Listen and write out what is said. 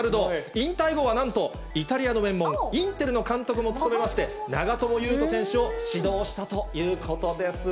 引退後はなんと、イタリアの名門、インテルの監督も務めまして、長友佑都選手を指導したということです。